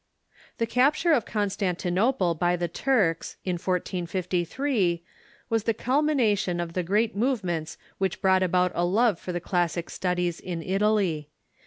The capture of Constantinople by the Turks, in 1453, was the culmination of the great movements which brought about a love for the classic studios in Italy.